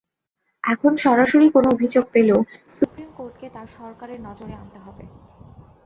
এখন সরাসরি কোনো অভিযোগ পেলেও সুপ্রিম কোর্টকে তা সরকারের নজরে আনতে হবে।